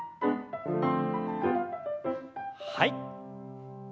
はい。